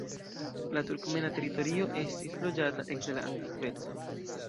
La turkmena teritorio estis loĝata ekde la antikveco.